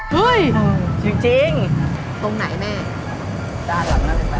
เฮ้ยจริงจริงตรงไหนแม่ด้านหลังนั้นเลยไหม